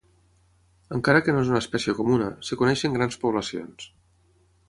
Encara que no és una espècie comuna, es coneixen grans poblacions.